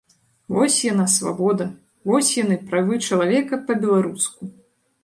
Вось яна, свабода, вось яны, правы чалавека па-беларуску!